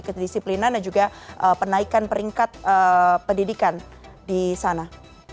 kedisiplinan dan juga penaikan peringkat pendidikan di sana